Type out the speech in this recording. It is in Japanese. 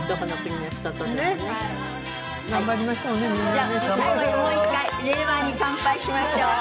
じゃあ最後にもう一回令和に乾杯しましょう。